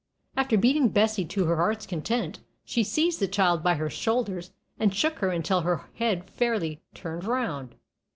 After beating Bessie to her heart's content, she seized the child by her shoulders, and shook her till her head fairly turned round.